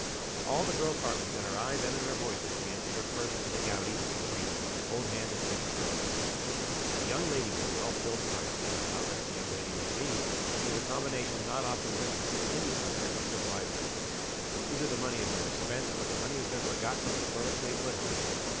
All the girl's heart was in her eyes and in her voice as she emptied her purse into the gouty (and greedy) old hand of Bishopriggs. A young lady with a well filled purse (no matter how rich the young lady may be) is a combination not often witnessed in any country on the civilized earth. Either the money is always spent, or the money has been forgotten on the toilet table at home.